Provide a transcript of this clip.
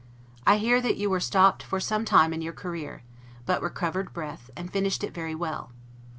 I hear that you were stopped for some time in your career; but recovered breath, and finished it very well.